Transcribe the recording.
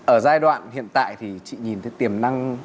ở giai đoạn hiện tại thì chị nhìn thấy tất cả các loại sản phẩm này